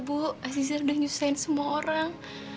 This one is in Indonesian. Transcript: bal udah kamu diem kak